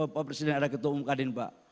pak presiden ada ketua umum kadin pak